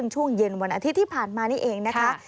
ช่วงเย็นวันอาทิตย์ที่ผ่านมานี่เองนะคะ